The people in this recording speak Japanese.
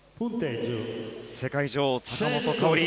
世界女王、坂本花織。